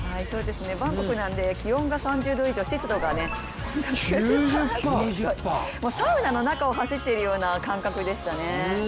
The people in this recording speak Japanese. バンコクなんで気温が３０度以上、湿度が９０％という、サウナの中を走っているような感覚でしたね。